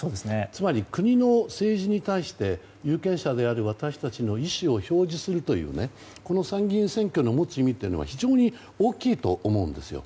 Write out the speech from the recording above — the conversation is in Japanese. つまり、国の政治に対して有権者である私たちの意思を表示するというこの参議院選挙の持つ意味というのは非常に大きいと思うんです。